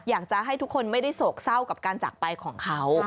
อยากจะให้ทุกคนไม่ได้โศกเศร้ากับการจากไปของเขา